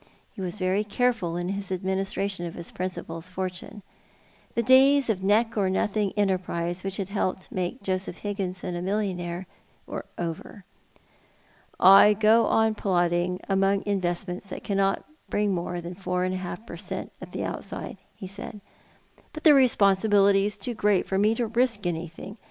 He was very careful in his administra tion of his principal's fortune. The days of neck or nothing enterprises which had helped to make Joseph Higginson a millionnaire were over. " I go plodding on among investments that cannot bring more than four and a half per cent, at the outside," he said ;" but the responsibility is too great for me to risk anything.